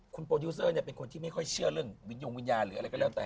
คุณโปรดิวเซอร์เป็นคนที่ไม่ค่อยเชื่อเรื่องวิญญงวิญญาณหรืออะไรก็แล้วแต่